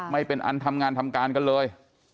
ไม่เป็นอันทำงานทำการกันเลย